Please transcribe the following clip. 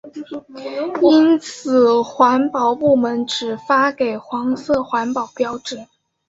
因此环保部门只发给黄色环保标志。